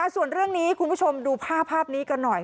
ส่วนเรื่องนี้คุณผู้ชมดูภาพนี้กันหน่อย